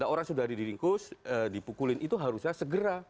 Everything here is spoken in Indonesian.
orang sudah diringkus dipukulin itu harusnya segera